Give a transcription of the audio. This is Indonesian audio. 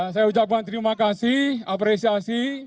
saya ucapkan terima kasih apresiasi